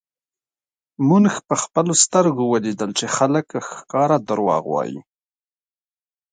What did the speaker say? مونږ په خپلو سترږو ولیدل چی خلک ښکاره درواغ وایی